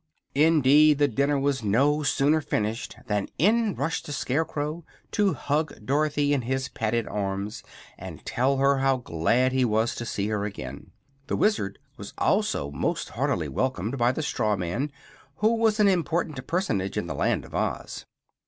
Indeed, the dinner was no sooner finished than in rushed the Scarecrow, to hug Dorothy in his padded arms and tell her how glad he was to see her again. The Wizard was also most heartily welcomed by the straw man, who was an important personage in the Land of Oz.